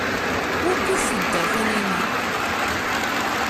Wukud tedder Taninna?